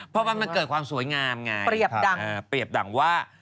เพราะว่ามันเกิดความสวยงามไงเปรียบดังเปรียบดังว่า